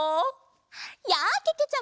やあけけちゃま！